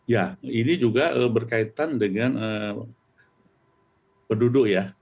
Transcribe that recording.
ya ini juga berkaitan dengan penduduk ya